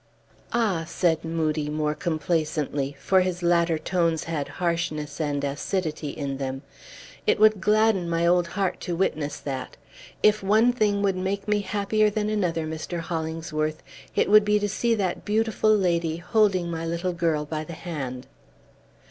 "Ah!" said Moodie more complacently, for his latter tones had harshness and acidity in them, "it would gladden my old heart to witness that. If one thing would make me happier than another, Mr. Hollingsworth, it would be to see that beautiful lady holding my little girl by the hand."